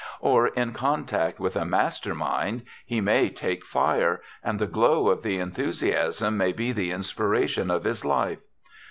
Or, in contact with a mastermind, he may take fire, and the glow of the enthusiasm may be the inspiration of his life.